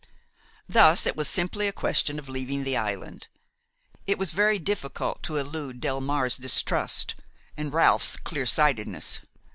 Thus it was simply a question of leaving the island. It was very difficult to elude Delmare's distrust and Ralph's clear sightedness.